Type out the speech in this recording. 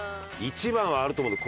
１番はあると思うんだ。